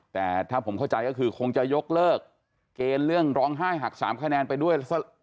แต่ถ้าผมเข้าใจก็คือคงจะยกเลิกเกณฑ์เรื่องร้องไห้หัก๓คะแนนไปด้วย